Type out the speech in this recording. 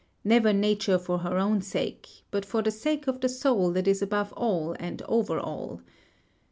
Never nature for her own sake, but for the sake of the soul that is above all and over all.